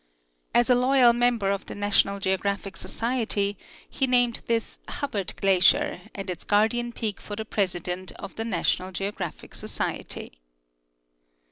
As a loyal member of the National Geographic Society, he named this Hubbard glacier and its guardian peak for the President of the National Geographic Society.